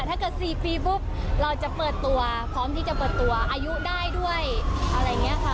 ถ้าเกิด๔ปีปุ๊บเราจะเปิดตัวพร้อมที่จะเปิดตัวอายุได้ด้วยอะไรอย่างนี้ค่ะ